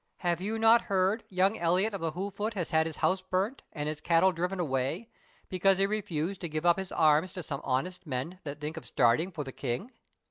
Have you not heard young Elliot of the Heugh foot has had his house burnt, and his cattle driven away, because he refused to give up his arms to some honest men that think of starting for the king?"